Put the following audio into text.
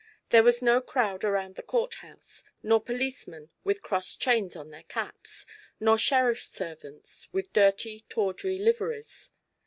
There was no crowd around the court house, nor policemen with cross chains on their caps, nor sheriffs' servants with dirty, tawdry liveries.